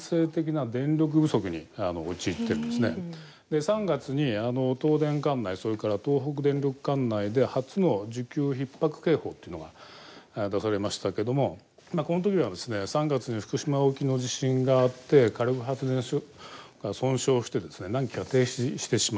で３月に東電管内それから東北電力管内で初の需給ひっ迫警報っていうのが出されましたけどもこの時はですね３月に福島沖の地震があって火力発電所が損傷して何基か停止してしまったと。